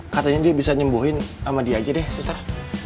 katanya dia bisa nyembuhin sama dia aja deh suster